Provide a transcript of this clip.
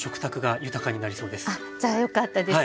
あっじゃあよかったです。